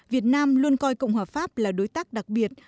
việt nam luôn coi cộng hòa pháp là đối tác đặc biệt